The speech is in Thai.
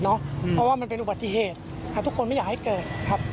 เพราะว่ามันเป็นอุบัติเหตุทุกคนไม่อยากให้เกิดครับ